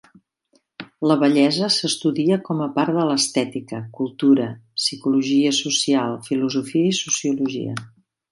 La bellesa s'estudia com a part de l'estètica, cultura, psicologia social, filosofia i sociologia.